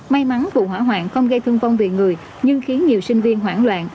may mắn vụ hỏa hoạn không gây thương vong về người nhưng khiến nhiều sinh viên hoảng loạn